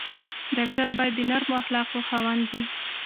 ډاکټر باید د نرمو اخلاقو خاوند وي.